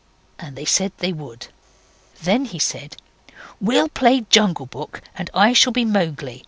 And they said they would. Then he said, 'We'll play Jungle Book, and I shall be Mowgli.